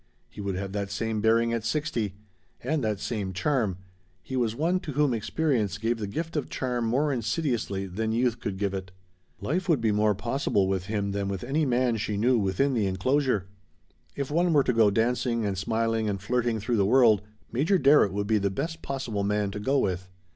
He would have that same bearing at sixty. And that same charm. He was one to whom experience gave the gift of charm more insidiously than youth could give it. Life would be more possible with him than with any man she knew within the enclosure. If one were to go dancing and smiling and flirting through the world Major Darrett would be the best possible man to go with.